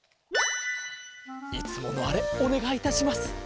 いつものあれおねがいいたします。